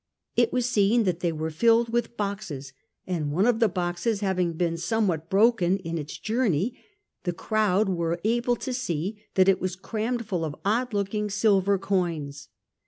It was seen that they were filled with boxes ; and one of the boxes having been somewhat broken in its journey, the crowd were able to see that it was crammed fall of odd looking silver coins.